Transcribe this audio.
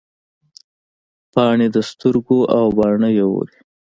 پاڼې د سترګو او باڼه یې اوري